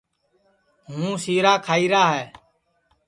ہُوں سیرا کھائیرا ہے